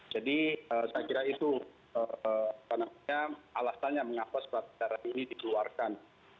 jadi saya kira itu alasannya mengapa sebuah daerah ini dikeluarkan